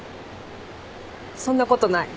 そんなことない。